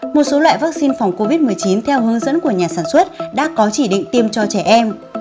một số loại vaccine phòng covid một mươi chín theo hướng dẫn của nhà sản xuất đã có chỉ định tiêm cho trẻ em